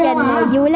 em có ước nguyện là